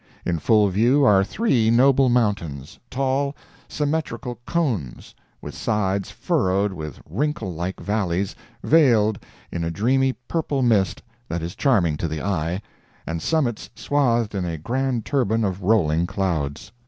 In full view are three noble mountains—tall, symmetrical cones, with sides furrowed with wrinkle like valleys veiled in a dreamy, purple mist that is charming to the eye, and summits swathed in a grand turban of rolling clouds.